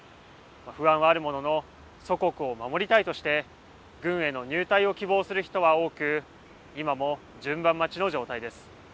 不安はあるものの祖国を守りたいとして軍への入隊を希望する人は多く今も順番待ちの状態です。